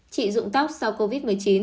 trị dụng tóc sau covid một mươi chín